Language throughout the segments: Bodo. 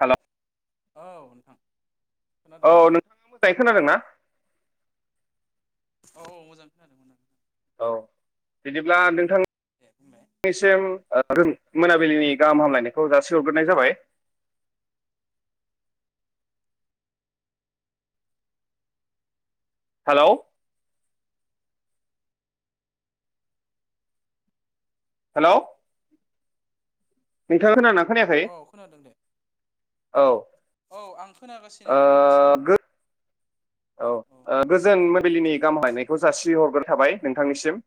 हेल'। औ नोंथां। खोनादोंना औ नोंथाङा मोजाङै खोनादोंना? औ औ मोजां खोनादों औ बिदिब्ला नोंथां दे बुंलाय निसिम मोनाबिलिनि गाहाम हामलायनायखौ जासिहरग्रोनाय जाबाय। हेल'। हेल'। नोंथाङा खोनादोंना? खोनायाखै औ खोनादों दे औ औ आं खोनागासिनो ओ खोनागासिनो गो- औ गोजोन माबलिनि गाहामहायनायखौ जासिहरग्रो थाबाय नोंथांनिसिम।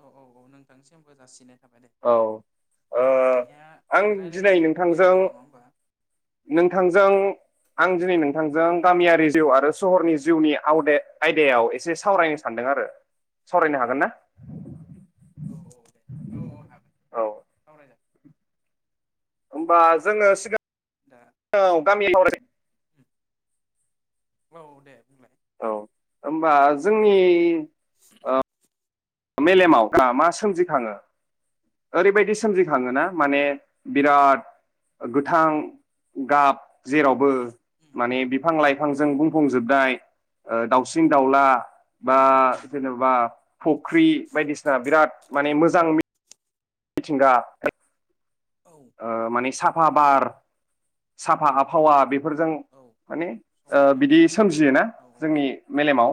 औ औ औ नोंथांनिसिमबो जासिनो औ ओं आं दिनै रायज्लायनोसै गुबै नोंथांजों आयदायाव नङा होमबा नोंथांजों आं दिनै औ नोंथांजों गामियारि जिउ आरो सहरनि जिउनि आवदेद आयदायाव एसे सावरायनो सानदों आरो सावरायनो हागोन ना? औ औ दे औ औ हागोन औ सावराय जागोन। होमबा जोङो दा सिगां औ गामि [unintelligible] उम औ दे बुंलाय? औ होमबा जोंनि [unintelligible] मेलेमाव दा मा सोमजिखाङो ओरैबायदि सोमजिखाङो ना माने बिराद गोथां गाब जेरावबो उम माने बिफां लाइफांजों औ बुंफुंजोबनाय। ओं दाउसिं-दाउला बा नंगौ नंगौ जेनेबा फ औ ख्रि बायदिसिना बिराद माने मोजां मिथिंगा [unintelligible] औ ओ माने साफा बार साफा आबहावा बे फोरजों औ माने ओ समायना बिदि सोमजियोना औ औ जोंनि मेलेमाव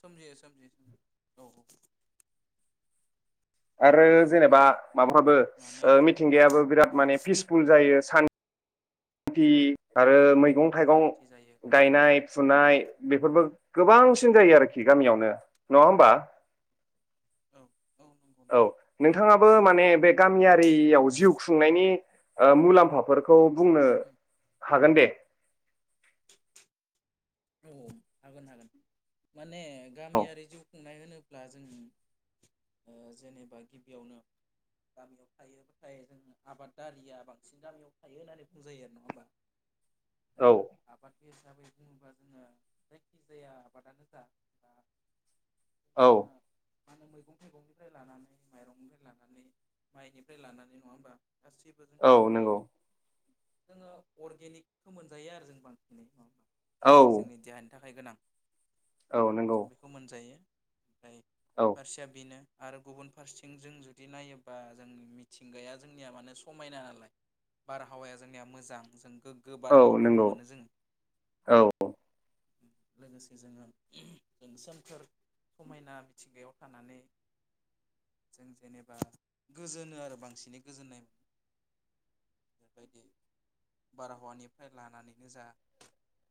सोमजियो सोमजियो सोमजियो औ आरो जेनेबा औ नंगौ माबाफ्राबो माने ओ मिथिंगायाबो बिराद उम माने पिसफुल जायो। सान। थि आरो मै मैगं-थाइगं सान्थि जायो औ नंगौ गायनाय फुनाय बेफोरबो गोबांसिन जायो आरोखि गामियावनो नङा होमबा। औ नंगौ औ नंगौ नोंथाङा बो माने बे गामिया रियाव जिउ खुंनायनि ओ मुलाम्फाफोरखौ बुंनो उम हागोन दे। औ हागोन हागोन माने औ गामियारि जिउ खुंनाय होनोब्ला जों ओ जेनेबा गिबियावनो गामियाव थायोब्लाथाय जों आबादारिया बांसिन गामियाव थायो होननानै बुंजायो आरो नङा होमबा। औ बे हिसाबै बुङोबा। जोङो जायखिजाया आबादानो जा बा औ जोंनिया मा होनो मैगं थाइगंनिफ्राय लानानै माइरंनिफ्राय लानानै माइनिफ्राय लानानै नङा होमबा गासिबो औ जोंनिया मा नंगौ जायो जोङो अर्गेनिकखौ मोनजायो आरो जों बांसिनै औ औ औ फ्राय जोंनि देहानि थाखाय गोनां औ नंगौ जों बेखौ मोनजायो ओमफ्राय औ फारसेया बेनो आरो गुबुन फारसेथिं जों जुदि नायोबा जों मिथिंगाया जोंनिया माने समायना नालाय बारहावाया जोंनिया मोजां जों गोग्गो औ बारहावाफोरखौ नंगौ मोनो जोङो औ लोगोसे जोङो ओ सोमखोर समायना मिथिंगायाव थानानै जों जेनेबा गोजोनो आरो बांसिनै गोजोननाय मोनो बेबायदि बारहावानिफ्राय लानानैनो जा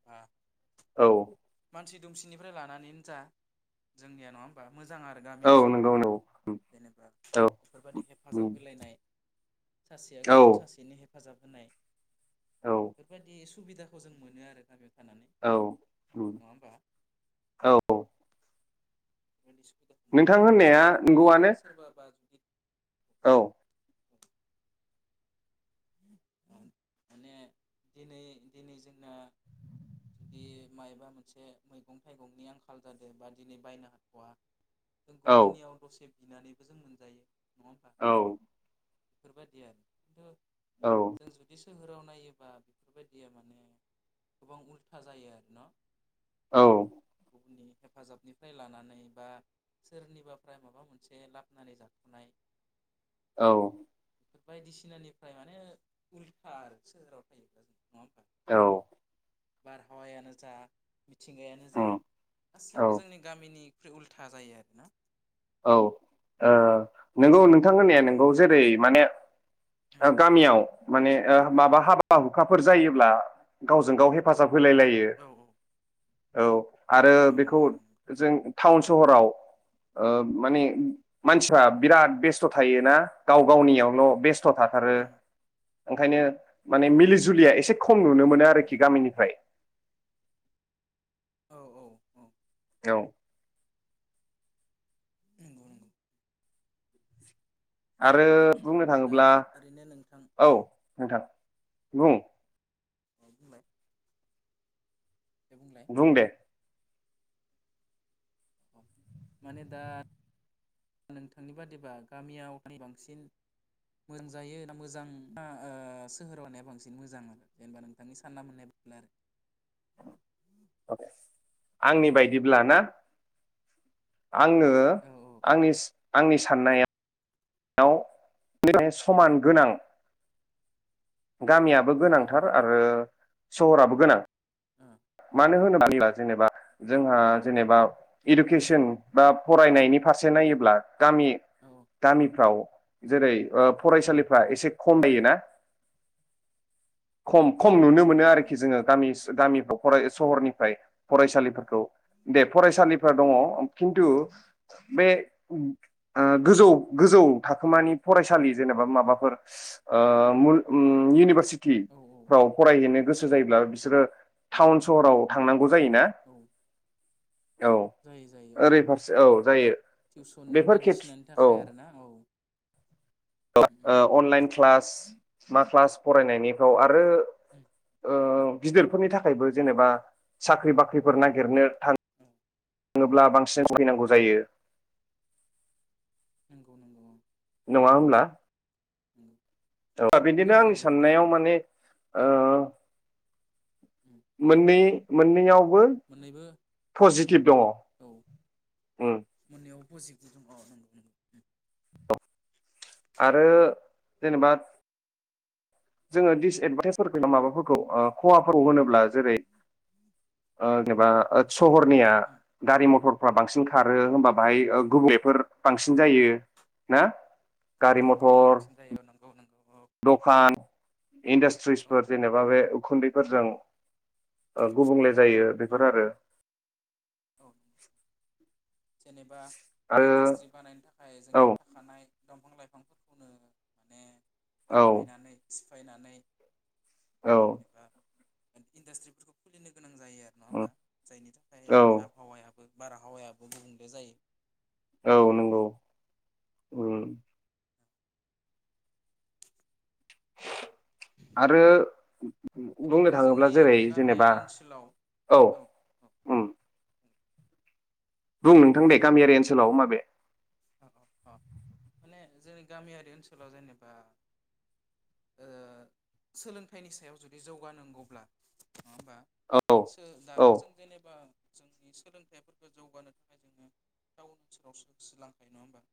आ औ मानसि दुमसिनिफ्राय लानानैनो जा जोंनिया नङा होमबा मोजां आरो गामि औ ओनसोलाव नंगौ नंगौ जेनेबा औ बेफोरबादि हेफाजाब होलायनाय सासेया औ गुबुन सासेनि हे हेफाजाब होनाय औ बेफोरबायदि सुबिदाखौ जों मोनो आरो। गामियाव थानानै औ उम नङा होमबा औ औ। [unintelligible] नोंथां मोनो होननाया हेफाजाब होलायो नंगौआनो। सोरबाबा जुदि औ। [unintelligible] माने दिनै दिनै जोंना जुदि मायबा मोनसे मैगं थाइगंनि आंखाल जादों बा दिनै बायनो हाथ'वा जों औ गुबुननियाव दसे। बिनानैबो जों मोनजायो। नङा होमबा औ। बेफोरबायदि आरो खिन्थु। औ जों जुदि सोहोराव। नायोबा बेफोर बायदिया माने गोबां उल्था जायो आरो न औ। हेफाजाबनिफ्राय लानानै बा सोरनिबाफ्राय माबा मोनसे लाबोनानै जाख'नाय। औ। बायदिसिनानिफ्राय माने ओ उल्था आरो सोहेराव थायोब्ला नङा होनबा। औ। बार हावायानो जा मिथिंगायानो जा उम औ गासिबो जोंनि गामिनि उल्था जायो आरोना। औ नोंगौ नोंथांमोना औ नोंगौ जेरै माने गामियाव माने माबा हाबा हुखाफोर जायोब्ला गावजों गाव हेफाजाब। होलाय लायो। औ औ। आरो औ बेखौ नंगौ जों। टाउन सहराव। माने मानसिफ्रा बिराद बेस्थ' थायोना गाव गावनियावल' बेस्थ'। बेस्थ' थाथारो। नंगौ ओंखायनो। माने मिलि नंगौ जुलिया एसे खम नुनो मोनो आरोखि गामिनिफ्राय। औ औ औ। औ। नंगौ नंगौ आरो बुंनो दा थाङोब्ला ओरैनो नोंथां औ नोंथां। बुं। [inaudible] दे बुंलाय बुं दे। माने दा नोंथांनि बादिबा गामियाव बांसिन मोजां जायो ना मोजां सोहोराव होननाया बांसिन मोजां आरो जेनेबा नोंथांनि सानना मोननाय बादिब्ला आरो। आंनि बायदिब्ला ना आङो औ आङो आंनि साननाया समान गोनां। गामियाबो औ गोनांथार आरो। सहराबो गोनां। मानो होनोबा। जेनेबा जोंहा जेनेबा इडुकेसन बा फरायनायनि फारसे नायोब्ला। गामि औ ओ औ गामिफ्राव। जेरै फरायसालिफ्रा एसे खम [unintelligible] खम खम औ नुनो मोनो नंगौ आरोखि नंगौ जोङो गामि। गामिफ्राव [unintelligible] सहरनिफ्राय फरायसालिफोरखौ दे फरायसालिफ दङ खिन्थु बे गोजौ गोजौ थाखोमानि फरायसालि जेनेबा माबाफोर ओ मु। इउनिभारसिटि। औ औ फाव फरायहैनो गोसो जायोब्ला। बिसोरो टाउन सहराव थांनांगौ। जायो ना औ औ ओरै फारसे औ जायो टिउसन बेफोर खेथ बायदिसिनानि औ थाखाय आरोना औ उम उम अनलाइन क्लास। मा क्लास फरायनायनिफ्राव आरो। उम ओ गिदिरफोरनि थाखायबो जेनेबा साख्रि बाख्रिफोर उम नागिरनो थाखाय। औ बुङोब्ला बांसिन भुगिनांगौ जायो। नंगौ नंगौ। नङा होनब्ला। नंगौ बिदिनो औ औ आंनि नंगौ साननायाव नंगौ माने। [unintelligible] उम मोनै। मोनै आव। बो मोननैबो पजिटिभ दङ। औ मोननैयावबो पजिटिभ औ नंगौं। आरो जेनेबा‌ जोङो दिडिसएदभान्टेज माबाफोरखौ खहााफोरखौ होनोब्ला जेरै जेनेबा सहरनिया उम गारि मथरफ्रा बांसिन। खारो होनबा औ बाहाय गुबुंलेफोर। बांसिन जायो ना। गारि गुबुंलेफोर मथर बांसिन जायो औ नंगौ। औ दखान। औ इन्डास्ट्रीसफोर जेनेबा‌ बे। उखुन्दैफोरजों गुबुंले जायो उम बेफोर आरो। [inaudible] औ जेनेबा। आरो इन्डास्ट्री बानायनो थाखाय जोंनिया औ थाखानाय। दंफां लाइफांफोरखौनो माने। औ दानफायनानै। दानफायनानै। औ। इन्डास्ट्री खुलिनो गोनां। गोनां जायो आरो नङा होमबा जायनि थाखाय औ जोंनि आबहावाया। बारहावाया। गुबुंले जायो। औ नंगौ। उम। [inaudible] आरो बुंनो बेनिफ्राय थाङोब्ला जोंनि जेरै जेनेबा गामियारि ओनसोलाव औ। बुं नोंथां दे बुंलाय गामियारि ओनसोलाव माबे। अ माने जोंनि गामियारि ओनसोलाव जेनेबा सोलोंथाइनि सायाव जुदि जौगानांगौब्ला। नङा होमबा औ दाथ औ जों जेनेबा। जोंनि सोलोंथाइफोरखौ जौगाहोनो थाखाय जोङो टाउन ओनसोलाव होसोलाङो। नङा होमबा।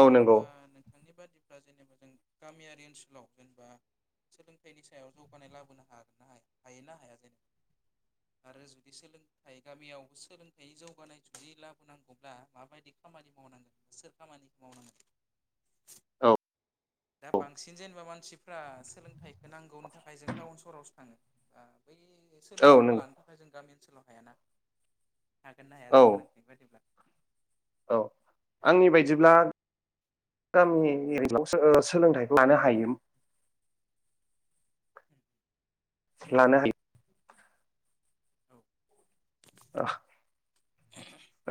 औ दा नंगौ होमबा नोंथांनि बादि दा जेनेबा जों गामियारि ओनसोलाव जेनेबा सोलोंथाइनि सायाव जौगानाय लाबोनो हागोनना हायो ना हाया जेनेबा आरो जुदि सोलोंथाइ गामियाव सोलोंथाइ जौगानाय जुदि लाबोनांगौब्ला माबायदि खामानि मावनांगोन सोर खामानिखौ मावनांगोन? औ दा बांसिन जेनेबा मानसिफ्रा सोलोंथाइखौ नांगौनि थाखाय जों टाउन सहरावसो थाङो ओ बै औ सोलोंथाइखौ नंगौ लानो थाखाय जों गामि ओनसोल सोलाव हायाना हागोन ना हाया औ जेनेबा नोंथांनि बायदिब्ला? औ आंनि बायदिब्ला गामि एरियायाव सोलोंथाइखौ लानो हायो। लानो हायो। औ अ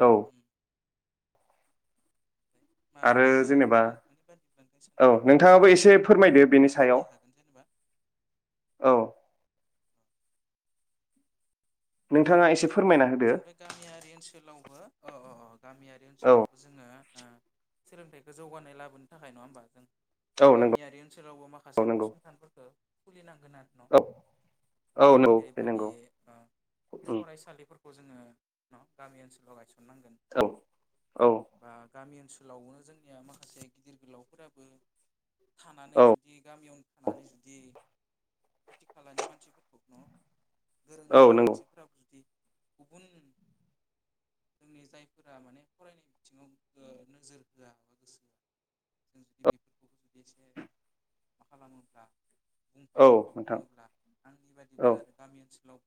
औ उम ओमफ्राय मा आरो ओ जेनेबा नोंथांनि बायदिब्ला नोंथांनि साननाय औ बायदिब्ला मा नोंथाङाबो एसे फोरमायदो बेनि माबायदि सायाव हागोन जेनेबा औ। नोंथाङा एसे फोरमायना होदो जेनेबा गामियारि ओनसोलावबो अ अ अ। गामियारि औ ओनसोलावबो जोंङो ओ सोलोंथाइखौ जौगानाय लाबोनो थाखाय नङा होमबा जों औ नंगौ गामियारि ओनसोलावबो औ माखासे नंगौ फसंथानफोरखौ खुलि नांग औ औ [unintelligible] नंगौ बे जेरैबादि नंगौ ओ उम फरायसालि फोर जोंङो न गामि ओनसोलाव गायसन औ औ गामि ओनसोलावनो जोंनिया माखासे गिदिर गोलावफोराबो थानानै औ जुदि गामियावनो थानानै जुदि खाथि खालानि मानसिफोरखौ न गोरों औ गोरा नंगौ मानसिफोराबो जुदि गुबुन जोंनि जायफोरा माने फरायनाय बिथिङाव ओ नोजोर होआ बा गोसो होआ जों जुदि बेफोरखौबो जुदि एसे मा खालामोब्ला बुंफा औ बुंफा नोंथां बुङोब्ला आंनि औ बादिब्ला आरो गामि ओनसोलाव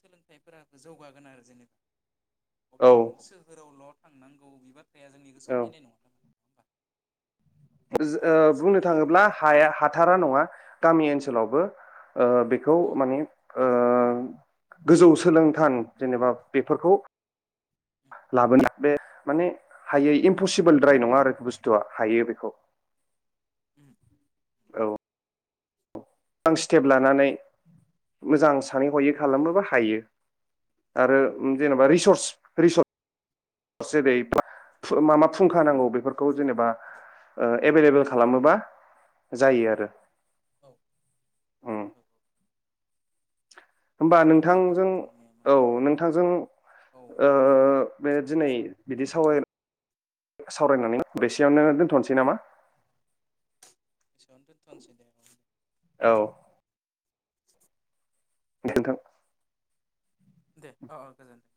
सोलोंथाइफोरा जौगागोन आरो जेनेबा अब्लानिया जों सोहोराव लद थांनांगौ बिबा फाया जोंनि औ गोसोआव ओ फायनाय नङा नङा होमबा आं बिदि बुंनो सानो आरो थाङोब्ला जेनेबा हाया हाथारा उम नङा गामि ओनसो ओनसोलावबो ओ बेखौ उम माने ओ उम गोजौ सोलोंथान जेनेबा बेफोरखौ उम लाबोनो बे माने हायो आ इमपसिबोल द्राय नङा आरो बुस्थुआ हायो बेखौ। उम औ। गोबां स्टेप लानानै मोजां सानै हयै औ खालामनोबो हायो आरो जेनेबा अ रिसर्स औ रिसर्स हरसेै माबा फुंखा नांगौ बे बेफोरखौ जेनेबा एभेलेबोेल खालामोबा जायो आरो। औ। औ होमबा बेफोरनो आरो न' नोंथांजों जोंनि औ माखासे माबाफोरा नोंथांजों औ ओ बे दिनै बिदि सावरायनानै बेसेयावनो दोनथनोसै नामा। बेसेयावनोथथनोसै दे औ। औ दे नोंथां। दे औ औ गोजोन्थों।